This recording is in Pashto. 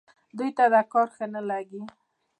دوی ته دا کار ښه نه لګېږي.